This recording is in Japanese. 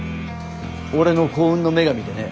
俺の幸運の女神でね。